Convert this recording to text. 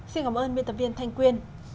xin cảm ơn biên tập viên thanh quyên